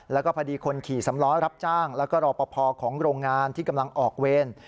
แล้วก็พอดีคนขี่สำล้อรับจ้างแล้วก็รอปภของโรงงานที่กำลังออกเวร